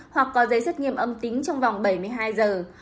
hoặc có giấy xét nghiệm âm tính trong vòng bảy mươi hai giờ